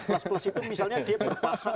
plus plus itu misalnya dia berpahak